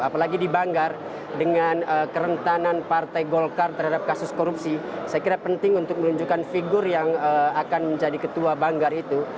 apalagi di banggar dengan kerentanan partai golkar terhadap kasus korupsi saya kira penting untuk menunjukkan figur yang akan menjadi ketua banggar itu